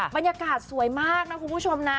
บรรยากาศสวยมากนะคุณผู้ชมนะ